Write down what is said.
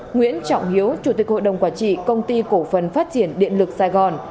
nguyễn trọng hiếu chủ tịch hội đồng quản trị công ty cổ phần phát triển điện lực sài gòn